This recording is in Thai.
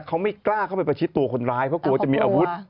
เขาไม่กล้าเข้าไปประชิดตัวคนร้ายเพราะกลัวจะมีอาวุธ